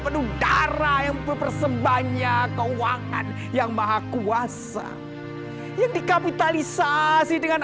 penuh darah yang berpersembanya keuangan yang maha kuasa yang dikapitalisasi dengan